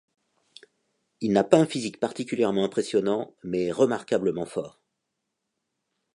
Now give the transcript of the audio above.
Il n'a pas un physique particulièrement impressionnant mais est remarquablement fort.